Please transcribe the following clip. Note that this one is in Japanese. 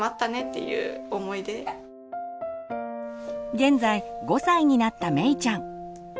現在５歳になっためいちゃん。